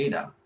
oke kita cari